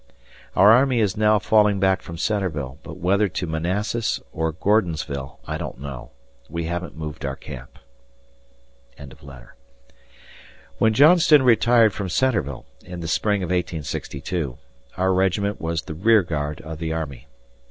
Our army is now falling back from Centreville, but whether to Manassas or Gordonsville I don't know. We haven't moved our camp. When Johnston retired from Centreville, in the spring of 1862, our regiment was the rear guard of the army.